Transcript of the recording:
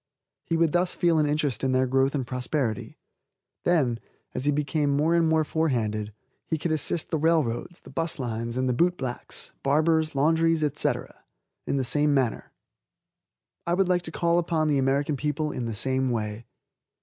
He would thus feel an interest in their growth and prosperity. Then, as he became more and more forehanded, he could assist the railroads, the 'bus lines, and the boot blacks, barbers, laundries, &c., in the same manner. I would like to call upon the American people in the same way.